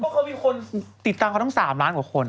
ก็เคยมีคนติดตามเค้าต้อง๓ล้านกว่าคน